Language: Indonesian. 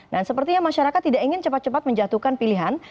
nah sepertinya masyarakat tidak ingin cepat cepat menjatuhkan pilihan